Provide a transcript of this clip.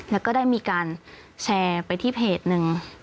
แล้วก็ได้มีการแชร์ไปที่เพจหนึ่ง